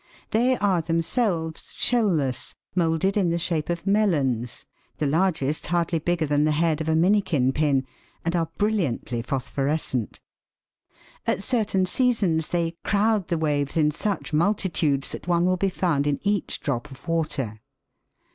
They are themselves shell less, moulded in the shape of melons, the largest hardly bigger than the head of a minikin pin, and are bril Fig. 34. NOCTILUCA MILIARIS. liantl y phosphorescent. (Fig. 34.) At certain seasons they crowd the waves in such multitudes that one will be found in each drop of water.